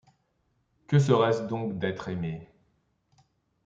Que serait-ce donc d'être aimé ?